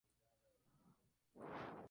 La vuelta era de nuevo por el Bv.